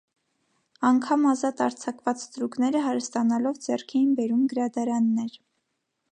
Անգամ ազատ արձակված ստրուկները հարստանալով ձեռք էին բերում գրադարաններ։